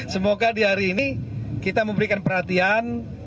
semoga di hari ini kita memberikan perhatian